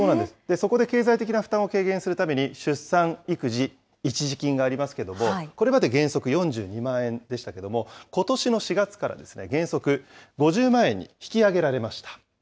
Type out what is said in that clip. そこで経済的な負担を軽減するために、出産育児一時金がありますけれども、これまで原則４２万円でしたけれども、ことしの４月から、原則５０万円に引き上げられました。